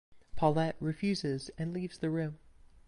Paulette refuses and leaves the room.